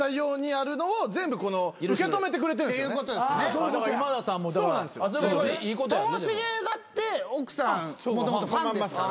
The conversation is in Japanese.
ともしげだって奥さんもともとファンですから。